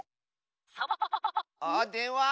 あっでんわ！